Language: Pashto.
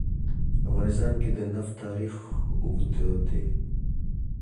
په افغانستان کې د نفت تاریخ اوږد دی.